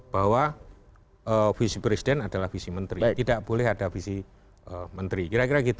bahwa visi presiden adalah visi menteri tidak boleh ada visi menteri kira kira gitu